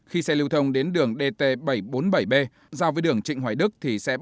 khi xe lưu thông đến đường dt bảy trăm bốn mươi bảy b giao với đường trịnh hoài đức